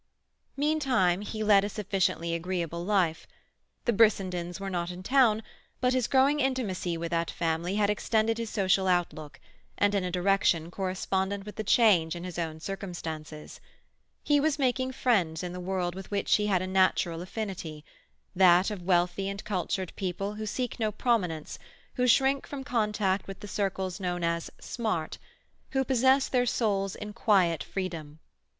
Meantime, he led a sufficiently agreeable life. The Brissendens were not in town, but his growing intimacy with that family had extended his social outlook, and in a direction correspondent with the change in his own circumstances. He was making friends in the world with which he had a natural affinity; that of wealthy and cultured people who seek no prominence, who shrink from contact with the circles known as "smart," who possess their souls in quiet freedom.